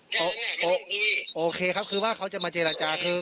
แล้วก็ตัดไปเลยโอเคครับคือว่าเขาจะมาเจรจาคือ